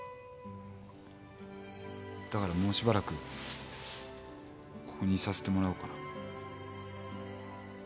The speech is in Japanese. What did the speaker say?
だからもうしばらくここにいさせてもらおうかな。